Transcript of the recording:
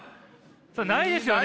それないですよね！